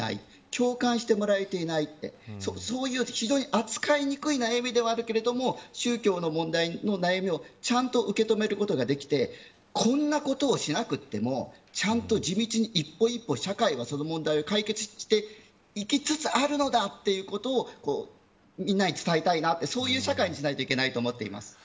共感してもらえていないってそういう、ひどい扱いにくい悩みではあるけれども宗教の問題の悩みをちゃんと受け止めることができてこんなことをしなくてもちゃんと地道に一歩一歩社会は、その問題を解決していきつつあるのだということをみんなに伝えたいなとそういう社会しないといけないと思っています。